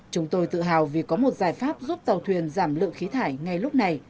chúng tôi tự hào vì có một giải pháp giúp tàu thuyền giảm lượng khí thải ngay lúc này